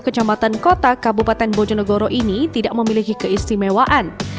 kecamatan kota kabupaten bojonegoro ini tidak memiliki keistimewaan